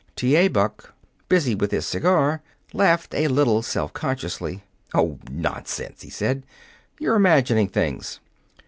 T. A. Buck, busy with his cigar, laughed a little self consciously. "Oh, nonsense!" he said. "You're imagining things."